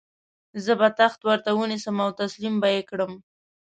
زه به تخت ورته ونیسم او تسلیم به یې کړم.